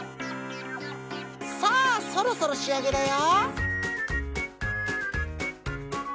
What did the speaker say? さあそろそろしあげだよ。